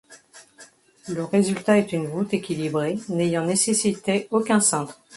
Le résultat est une voûte équilibrée n'ayant nécessité aucun cintre.